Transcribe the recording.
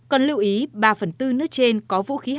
cần lưu ý ba phần tư nước trên có vũ khí hạt